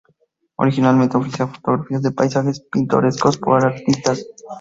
Originalmente ofrecía fotografías de paisajes pintorescos para artistas.